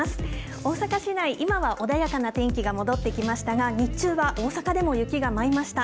大阪市内、今は穏やかな天気が戻ってきましたが、日中は大阪でも雪が舞いました。